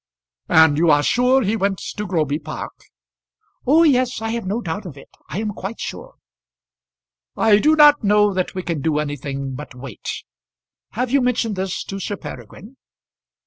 "And you are sure he went to Groby Park?" "Oh, yes; I have no doubt of it. I am quite sure." "I do not know that we can do anything but wait. Have you mentioned this to Sir Peregrine?"